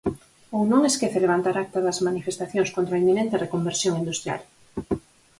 Ou non esquece levantar acta das manifestacións contra a inminente reconversión industrial.